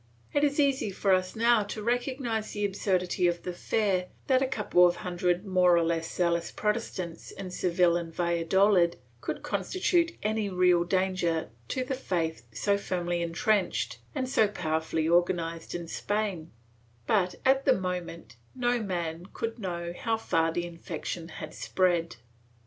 It is easy for us now to recognize the absurdity of the fear that a couple of himdred more or less zealous Protestants, in Seville and Valladolid, could constitute any real danger to the faith so firmly intrenched and so powerfully organized in Spain, but, at the moment, no man could know how far the infection had spread.